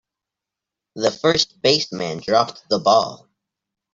The first baseman dropped the ball.